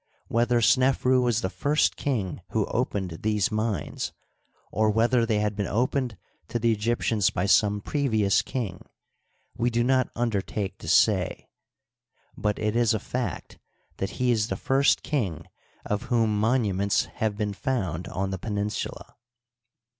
Whether Snefru was the first king who opened these mines, or whether they had been opened to tne Egyptians by some previous king. Digitized byCjOOQlC 36 HISTORY OF EGYPT. we do not undertake to say, but it is a fact that he is the first king of whom monuments have been found on the peninsula.